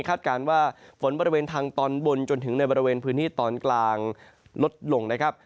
การว่าฝนบริเวณทางตอนบนจนถึงในบริเวณพื้นที่ตอนกลางลดลงนะครับ